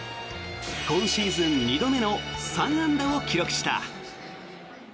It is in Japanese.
今シーズン２度目の３安打を記録した。